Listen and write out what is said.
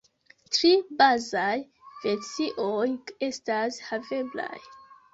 Tri bazaj versioj estas haveblaj.